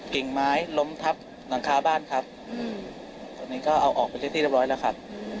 กิ่งไม้ล้มทับหลังคาบ้านครับตอนนี้ก็เอาออกไปใช้ที่เรียบร้อยแล้วครับ